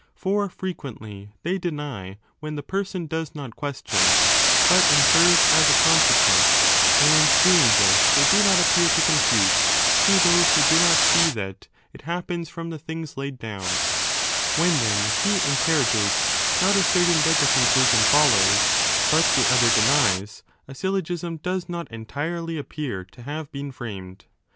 of petition. For frequently they deny when the person does not question, but infers as a consequent, and doing this, they do not appear to confute, to those who do not see that, it hap pens from the things laid down; when then he interrogates, not asserting that the conclusion follows, but the other denies, a syllogism does not entirely appear to have been framed.